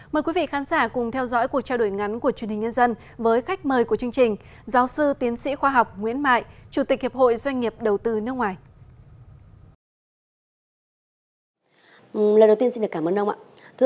mời quý vị khán giả cùng theo dõi cuộc trao đổi ngắn của truyền hình nhân dân với khách mời của chương trình